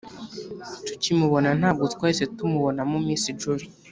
tukimubona, ntabwo twahise tumubonamo miss jolly